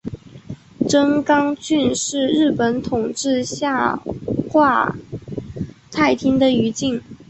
真冈郡是日本统治下桦太厅的一郡。